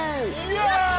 よっしゃ！